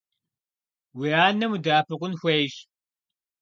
Уи анэм удэӏэпыкъун хуейщ.